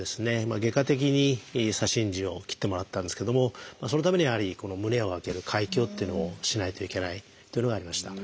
外科的に左心耳を切ってもらったんですけどもそのためにはやはり胸を開ける開胸っていうのをしないといけないというのがありました。